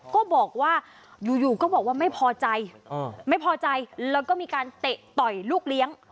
ก็บอกว่าอยู่ก็บอกว่าไม่พอใจไม่พอใจแล้วก็มีการเตะต่อยลูกเลี้ยง